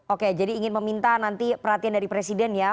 oke jadi ingin meminta nanti perhatian dari presiden ya